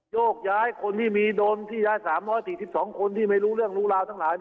โยกย้ายคนที่มีดนที่ย้าย๓๔๒คนที่ไม่รู้เรื่องรู้ราวทั้งหลาย